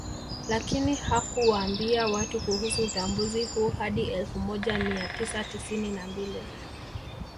Lakini hakuwaambia watu kuhusu utambuzi huu hadi elfu moja mia tisa tisini na mbili